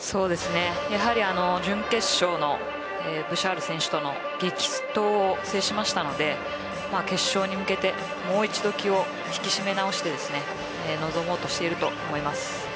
準決勝のブシャール選手との激闘を制しましたので決勝に向けてもう一度気を引き締め直して臨もうとしていると思います。